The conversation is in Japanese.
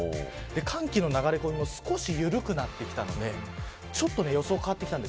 寒気の流れ込みも少し緩くなってきたのでちょっと予想が変わってきたんです。